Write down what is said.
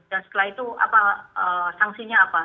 dan setelah itu sanksinya apa